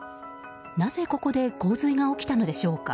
なぜ、ここで洪水が起きたのでしょうか。